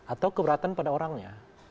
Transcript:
atau keberatan pada orangnya